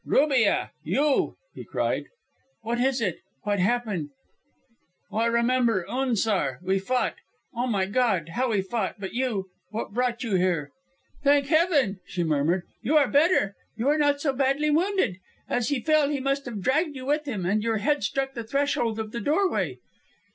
"Rubia, you!" he cried. "What is it? What happened? Oh, I remember, Unzar we fought. Oh, my God, how we fought! But you What brought you here?" "Thank Heaven," she murmured, "you are better. You are not so badly wounded. As he fell he must have dragged you with him, and your head struck the threshold of the doorway."